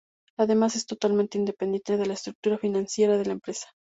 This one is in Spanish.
Además es totalmente independiente de la estructura financiera de la empresa.